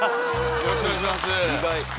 よろしくお願いします。